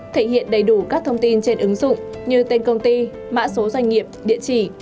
thể hiện đầy đủ các thông tin trên ứng dụng như tên công ty mã số doanh nghiệp địa chỉ